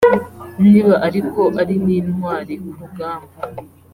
niba ariko ari n’intwari ku rugamba